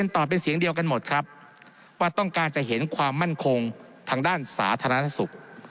ตอบเป็นเสียงเดียวกันหมดครับว่าต้องการจะเห็นความมั่นคงทางด้านสาธารณสุข